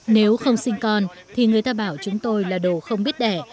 nếu không sinh con thì người ta bảo chúng tôi là đồ không biết đẻ